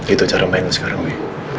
itu cara main lo sekarang bi